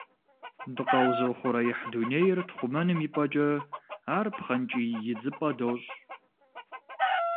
Дыкъэузыухъуреихь дунейр тхъумэным и пӏэкӏэ, ар пхъэнкӏий идзыпӏэ дощӏ.